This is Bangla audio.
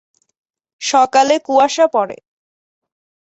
সকালে কুয়াশা পড়ে।